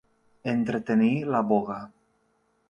Entretenir la voga.